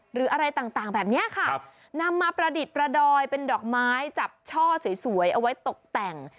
หรืออะไรต่างแบบนี้ค่ะนำมาประดิษฐ์ประดอยเป็นดอกไม้จับช่อสวยเอาไว้ตกแต่ง